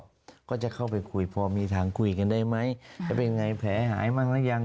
เขาก็จะเข้าไปคุยพอมีทางคุยกันได้ไหมจะเป็นไงแผลหายบ้างหรือยัง